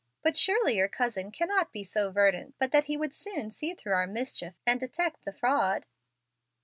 But surely your cousin cannot be so verdant but that he would soon see through our mischief and detect the fraud."